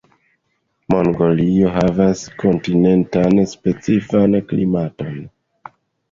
Mongolio havas kontinentan specifan klimaton.